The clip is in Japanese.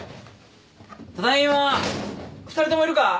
・ただいま２人ともいるか？